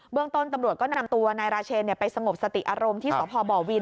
เรื่องต้นตำรวจก็นำตัวนายราเชนไปสงบสติอารมณ์ที่สพบวิน